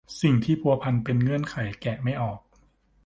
มีสิ่งที่พัวพันเป็นเงื่อนไขแกะไม่ออก